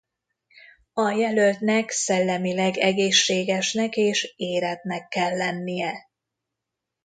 A jelöltnek szellemileg egészségesnek és érettnek kell lennie.